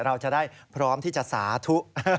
เราจะได้พร้อมที่จะสาธุ